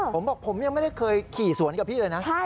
ผมบอกผมยังไม่ได้เคยขี่สวนกับพี่เลยนะ